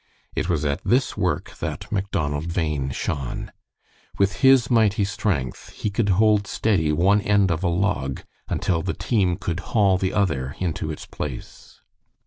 It was at this work that Macdonald Bhain shone. With his mighty strength he could hold steady one end of a log until the team could haul the other into its place.